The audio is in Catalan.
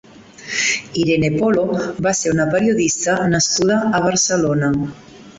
Irene Polo va ser una periodista nascuda a Barcelona.